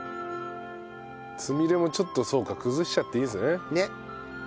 つみれもちょっとそうか崩しちゃっていいんですね。